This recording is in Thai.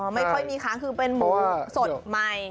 ไม่ค่อยมีค้างคือเป็นหมูสดใหม่